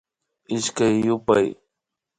Ishkay yupay